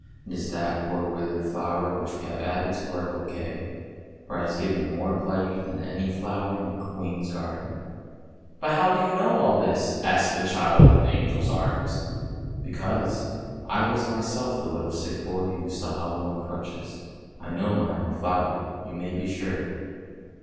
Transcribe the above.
It is that poor withered T><\ H sv IOO ANDERSEN'S FAIRY TALES flower which we have added to our bouquet, for it has given more pleasure than any flower in the Queen's garden." " But how do you know all this? " asked the child in the angel's arms. " Because I was myself the little sick boy who used to hobble on crutches. I know my own flower, you may be sure."